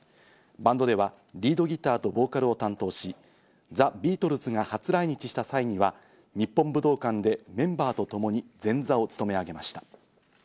バンドではリードギターとボーカルを担当し、ザ・ビートルズが初来日した際には日本武道館でメンバーとともに前座を務め上げました。